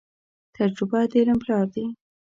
تجربه د علم پلار دي.